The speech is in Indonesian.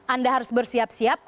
anda harus bersiap siap